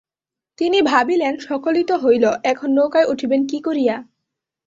তিনি ভাবিলেন, সকলই তো হইল, এখন নৌকায় উঠিবেন কী করিয়া।